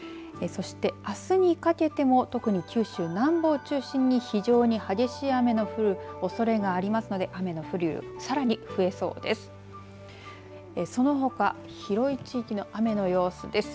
そして、あすにかけても特に九州南部を中心に非常に激しい雨の降るおそれがありますので雨の量さらに増えそうです。